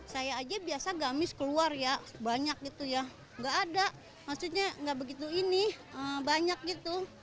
saya aja biasa gamis keluar ya banyak gitu ya nggak ada maksudnya nggak begitu ini banyak gitu